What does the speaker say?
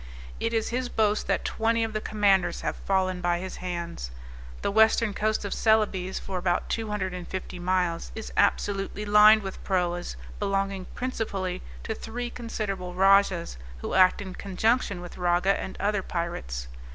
It is his boast that twenty of the commanders have fallen by his hands. The western coast of Celebes, for about 250 miles, is absolutely lined with proas belonging principally to three considerable rajahs, who act in conjunction with Raga and other pirates.